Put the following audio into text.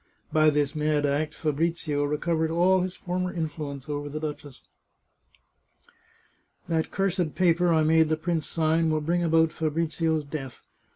By this mad act Fabrizio recovered all his former influence over the duchess. " That cursed paper I made the prince sign will bring about Fabrizio's death